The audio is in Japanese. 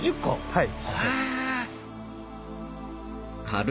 はい。